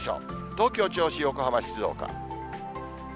東京、銚子、横浜、静岡。